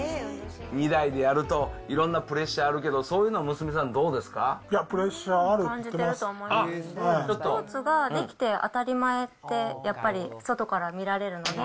２代でやると、いろんなプレッシャーあるけど、そういうのはいや、プレッシャーあるってスポーツができて当たり前って、やっぱり外から見られるので。